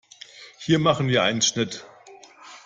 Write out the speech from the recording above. Hier machen wir einen Schnitt.